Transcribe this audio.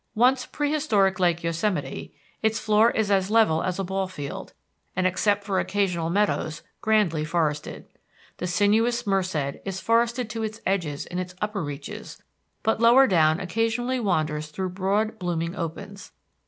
Once prehistoric Lake Yosemite, its floor is as level as a ball field, and except for occasional meadows, grandly forested. The sinuous Merced is forested to its edges in its upper reaches, but lower down occasionally wanders through broad, blooming opens.